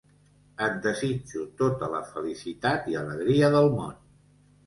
Et desitjo tota la felicitat i alegria del món.